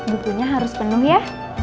bukunya harus penuh ya